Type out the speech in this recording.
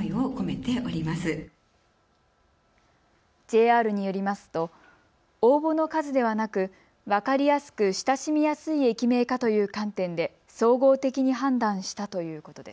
ＪＲによりますと応募の数ではなく分かりやすく親しみやすい駅名かという観点で総合的に判断したということです。